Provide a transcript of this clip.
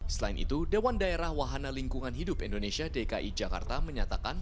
selain itu dewan daerah wahana lingkungan hidup indonesia dki jakarta menyatakan